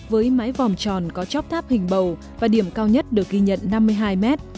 với mái vòm tròn có chóp tháp hình bầu và điểm cao nhất được ghi nhận năm mươi hai mét